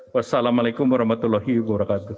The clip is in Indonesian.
wassalamualaikum warahmatullahi wabarakatuh